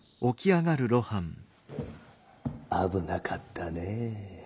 ・危なかったねぇ。